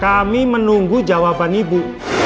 kami menunggu jawaban ibu